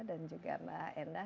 dan juga mbak endah